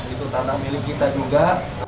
itu tanah milik kita juga